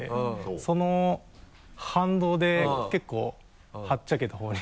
その反動で結構はっちゃけたほうに。